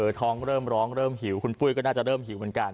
ท้องเริ่มร้องเริ่มหิวคุณปุ้ยก็น่าจะเริ่มหิวเหมือนกัน